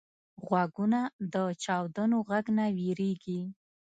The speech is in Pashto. غوږونه د چاودنو غږ نه وېریږي